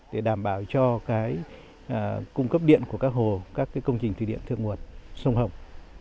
để đảm bảo cho cung cấp điện của các hồ các công trình thủy điện thượng nguồn sông hồng